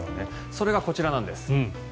それがこちらなんです。